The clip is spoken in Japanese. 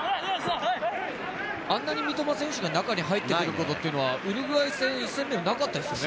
あんなに三笘選手が中に入っているっていうのはウルグアイ戦ではなかったですよね。